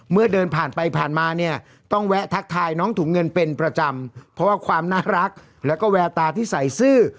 เดินผ่านไปผ่านมาเนี่ยต้องแวะทักทายน้องถุงเงินเป็นประจำเพราะว่าความน่ารักแล้วก็แววตาที่ใส่ซื่อ